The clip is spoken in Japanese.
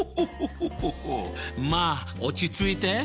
まあ落ち着いて。